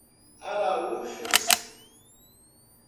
Araújos